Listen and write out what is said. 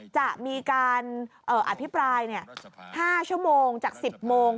จะมีการอภิปราย๕ชั่วโมงจาก๑๐โมง